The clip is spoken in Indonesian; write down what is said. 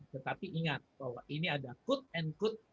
tetapi ingat bahwa ini ada good and good